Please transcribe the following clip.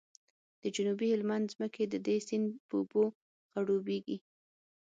د جنوبي هلمند ځمکې د دې سیند په اوبو خړوبیږي